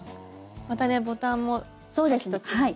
またねボタンもさっきと違って。